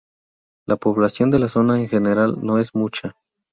La población de la zona en general no es mucha.